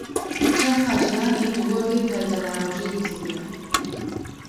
Çerxa jiyanê, li gor vê pergala rojê dizîvire